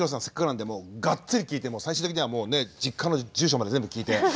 せっかくなんでもうがっつり聞いて最終的にはもうね実家の住所まで全部聞いて。